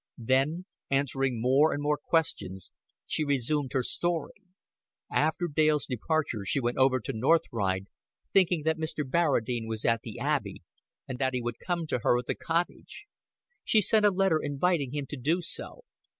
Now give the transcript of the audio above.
Then, answering more and more questions, she resumed her story. After Dale's departure she went over to North Ride, thinking that Mr. Barradine was at the Abbey, and that he would come to her at the Cottage. She sent a letter inviting him to do so.